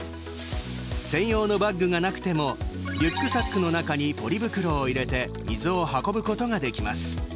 専用のバッグがなくてもリュックサックの中にポリ袋を入れて水を運ぶことができます。